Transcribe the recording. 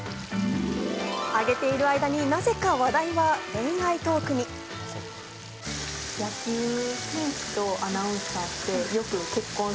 あげている間になぜか話題は恋愛トークに。